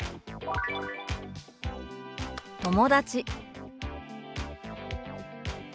「友達」。